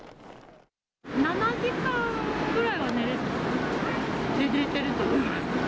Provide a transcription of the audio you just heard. ７時間ぐらいは寝れてると思います。